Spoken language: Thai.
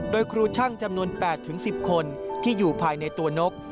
โดยครูช่างจำนวน๘๑๐คนที่อยู่ภายในตัวนก